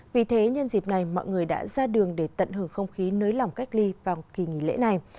vì thế nhân dịp này mọi người đã ra đường để tận hưởng không khí nới lỏng cách ly vào kỳ nghỉ lễ này